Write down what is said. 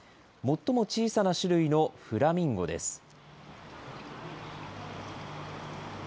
最も小さな種類のフラミンゴです。